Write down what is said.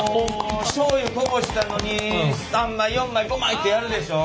しょうゆこぼしたのに３枚４枚５枚ってやるでしょ？